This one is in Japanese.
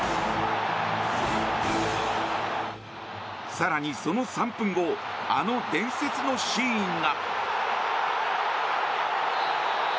更にその３分後あの伝説のシーンが。